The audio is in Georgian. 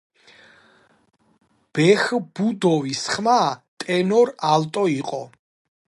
ბეჰბუდოვის ხმა ტენორ ალტო იყო.